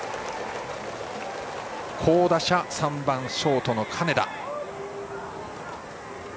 好打者、３番ショートの金田。